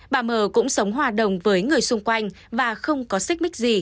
bà m cũng sống hòa đồng với người xung quanh và không có xích mích gì